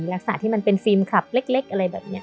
ลักษณะที่มันเป็นฟิล์มคลับเล็กอะไรแบบนี้